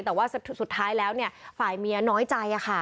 แต่ว่าสุดท้ายแล้วเนี่ยฝ่ายเมียน้อยใจโลกค่ะ